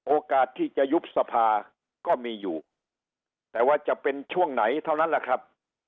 โอกาสที่จะยุบสภาก็มีอยู่แต่ว่าจะเป็นช่วงไหนเท่านั้นแหละครับ